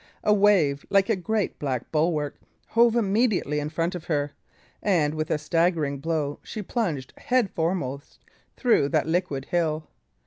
A wave, like a great black bulwark, hove immediately in front of her; and, with a staggering blow, she plunged headforemost through that liquid hill.